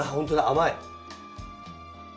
甘い！